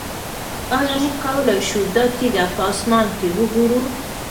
آیا موږ کولی شو دا تیږه په اسمان کې وګورو؟